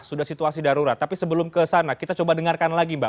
sudah situasi darurat tapi sebelum kesana kita coba dengarkan lagi mbak